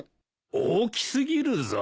大き過ぎるぞ。